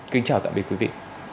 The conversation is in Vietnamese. kính chào tạm biệt quý vị